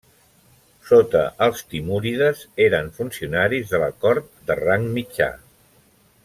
Sota els timúrides eren funcionaris de la cort de rang mitjà.